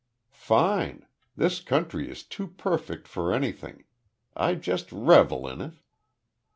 "Fine. This country is too perfect for anything. I just revel in it."